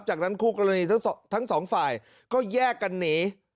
จากนั้นคู่กรณีทั้งสองฝ่ายก็แยกกันหนี